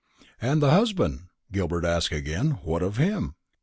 "And the husband?" Gilbert asked again; "what of him?"